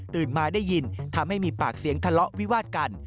มาได้ยินทำให้มีปากเสียงทะเลาะวิวาดกัน